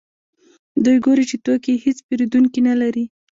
دوی ګوري چې توکي یې هېڅ پېرودونکي نلري